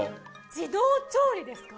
自動調理ですか？